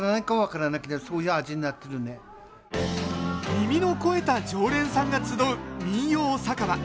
耳の肥えた常連さんが集う民謡酒場。